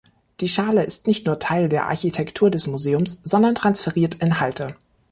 Die Schale ist nicht nur Teil der Architektur des Museums, sondern transferiert Inhalte.